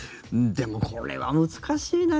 でも、これは難しいな。